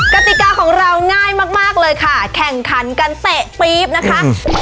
กติกาของเราง่ายมากเลยค่ะแข่งขันกันเตะปี๊บนะคะ